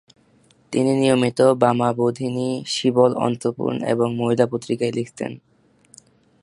তিনি নিয়মিত বামাবোধিনী, শিবম, অন্তপুর এবং মহিলা পত্রিকায় লিখতেন।